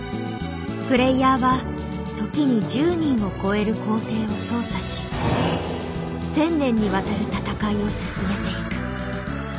プレイヤーは時に１０人を超える皇帝を操作し１，０００年にわたる戦いを進めていく。